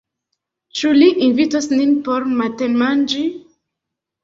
Ĉu li invitos nin por matenmanĝi?